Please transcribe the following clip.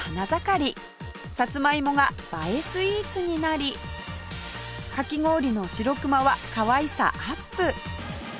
さつまいもが映えスイーツになりかき氷の白くまはかわいさアップ！